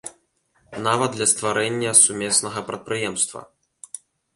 Нават для стварэння сумеснага прадпрыемства.